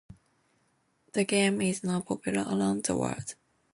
The game is now popular around the world.